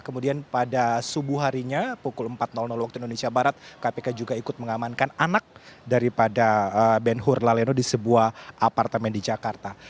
kemudian pada subuh harinya pukul empat waktu indonesia barat kpk juga ikut mengamankan anak daripada ben hur laleno di sebuah apartemen di jakarta